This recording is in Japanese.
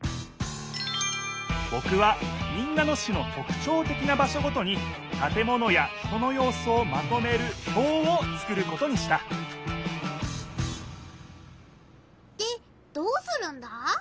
ぼくは民奈野市のとくちょうてきな場所ごとにたて物や人のようすをまとめるひょうを作ることにしたでどうするんだ？